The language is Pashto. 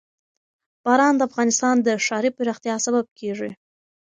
باران د افغانستان د ښاري پراختیا سبب کېږي.